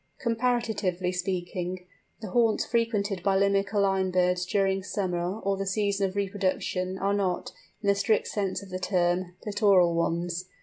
Comparatively speaking, the haunts frequented by Limicoline birds during summer, or the season of reproduction, are not, in the strict sense of the term, littoral ones.